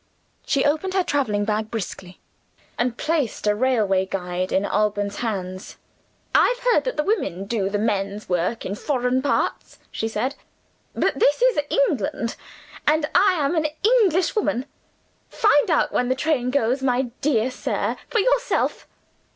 She opened her traveling bag briskly, and placed a railway guide in Alban's hands. "I've heard that the women do the men's work in foreign parts," she said. "But this is England; and I am an Englishwoman. Find out when the train goes, my dear sir, for yourself."